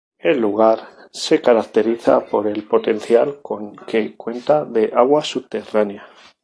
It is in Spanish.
El lugar se caracteriza por el potencial con que cuenta de agua subterránea.